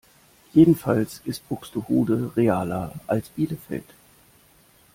Jedenfalls ist Buxtehude realer als Bielefeld.